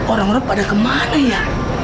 orang orang pada kemana ya